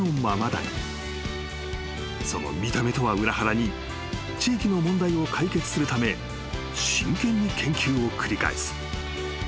［その見た目とは裏腹に地域の問題を解決するため真剣に研究を繰り返す］